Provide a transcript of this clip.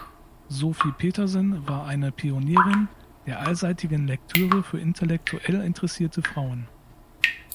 Sophie Petersen war eine Pionierin der allseitigen Lektüre für intellektuell interessierte Frauen.